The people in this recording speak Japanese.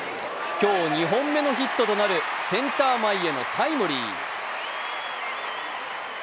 今日２本目のヒットとなるセンター前へのタイムリー。